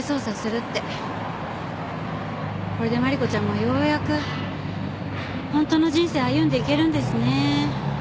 これで真梨子ちゃんもようやく本当の人生を歩んでいけるんですね。